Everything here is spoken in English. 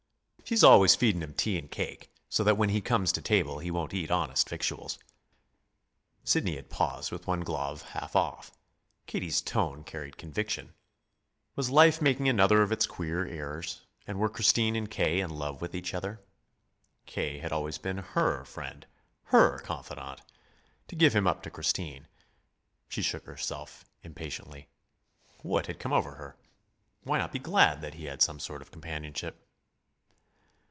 She's always feedin' him tea and cake, so that when he comes to table he won't eat honest victuals." Sidney had paused with one glove half off. Katie's tone carried conviction. Was life making another of its queer errors, and were Christine and K. in love with each other? K. had always been HER friend, HER confidant. To give him up to Christine she shook herself impatiently. What had come over her? Why not be glad that he had some sort of companionship?